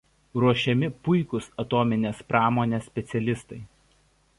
Ruošiami puikūs atominės pramonės specialistai.